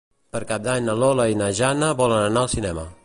Per Cap d'Any na Lola i na Jana volen anar al cinema.